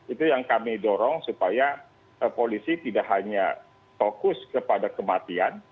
itu yang kami dorong supaya polisi tidak hanya fokus kepada kematian